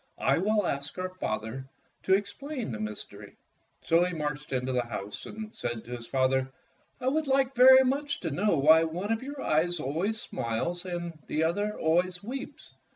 I will ask our father to explain the mys tery." So he marched into the house and said to his father, "I would very much like to know why one of yom* eyes always smiles and the other always weeps."